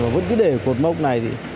mà vẫn cứ để cột mốc này